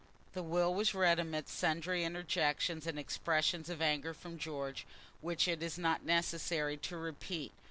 The will was read amidst sundry interjections and expressions of anger from George, which it is not necessary to repeat.